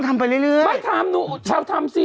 ไม่ถามหนูชาวทำสิ